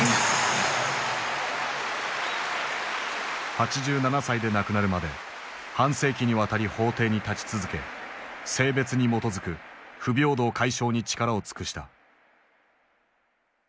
８７歳で亡くなるまで半世紀にわたり法廷に立ち続け性別に基づく不平等解消に力を尽くした。